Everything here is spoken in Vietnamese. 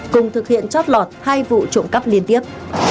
cùng thực hiện chót lọt hai vụ trộm cắp liên tiếp